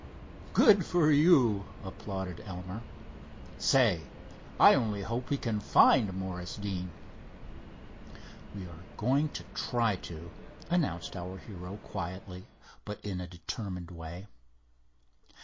"Good for you," applauded Elmer. "Say, I only hope we can find Morris Deane." "We are going to try to," announced our hero, quietly, but in a determined way.